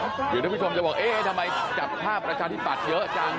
เดี๋ยวท่านผู้ชมจะบอกเอ๊ะทำไมจับภาพประชาธิปัตย์เยอะจัง